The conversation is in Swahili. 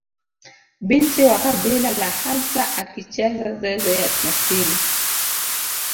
Binti wa kabila la hadza akicheza zeze ya kiasili